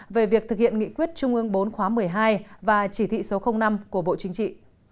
về việc thực hiện nghị quyết trung ương bốn khóa một mươi hai và chỉ thị số năm của bộ chính trị